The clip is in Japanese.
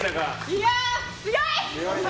いやあ、強い！